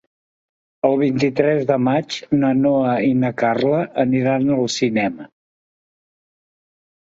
El vint-i-tres de maig na Noa i na Carla aniran al cinema.